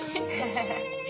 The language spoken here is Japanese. ハハハ。